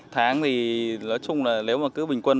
tháng thì nói chung là nếu mà cứ bình quân